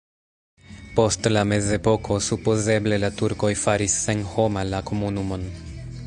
Post la mezepoko supozeble la turkoj faris senhoma la komunumon.